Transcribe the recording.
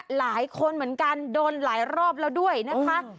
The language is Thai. หลายคนเหมือนกันโดนหลายรอบแล้วด้วยนะคะ